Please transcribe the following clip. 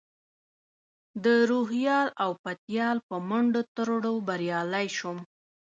د روهیال او پتیال په منډو ترړو بریالی شوم.